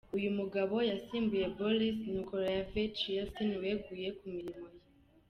Uyu mugabo yasimbuye Boris Nikolayevich Yeltsin weguye ku mirimo ye.